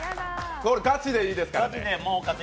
ガチでいいですからね。